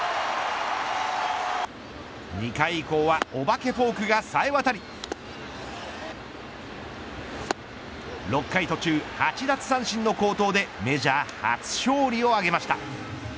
２回以降はお化けフォークがさえ渡り６回途中８奪三振の好投でメジャー初勝利を挙げました。